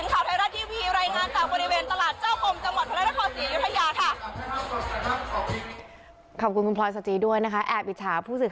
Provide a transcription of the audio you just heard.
ซึ่งหากคุณผู้ชมนะคะกล้าที่จะเล่นน้ำกันอย่างสนุกสนานสุดทักในวันนี้แล้ว